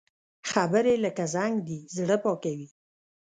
خبرې لکه زنګ دي، زړه پاکوي